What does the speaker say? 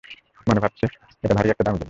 মনে ভাবছ, এটা ভারি একটা দামি জিনিস!